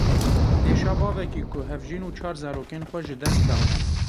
Êşa bavekî ku hevjîn û çar zarokên xwe ji dest dane.